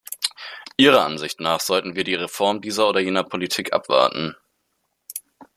Ihrer Ansicht nach sollten wir die Reform dieser oder jener Politik abwarten.